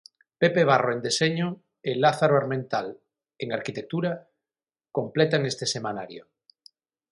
Pepe Barro, en deseño, e Lázaro Armental, en Arquitectura, completan este semanario.